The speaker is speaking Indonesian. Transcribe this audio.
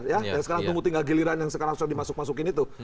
yang sekarang tunggu tinggal giliran yang sekarang sudah dimasuk masukin itu